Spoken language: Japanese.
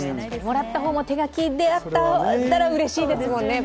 もらった方も手書きだったらうれしいですもんね。